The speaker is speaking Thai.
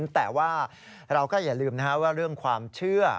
แต่ว่าเราก็อย่าลืมว่าเรื่องความเชื่อ